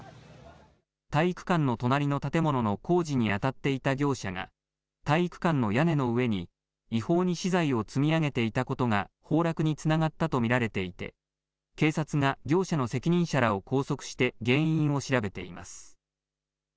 体育館の隣の建物の工事にあたっていた業者が体育館の屋根の上に違法に資材を積み上げていたことが崩落につながったと見られていて警察が業者の責任者らを拘束して原因を調べています。